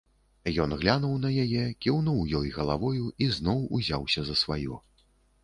Ён глянуў на яе, кіўнуў ёй галавою і зноў узяўся за сваё.